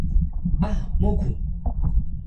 a! moku!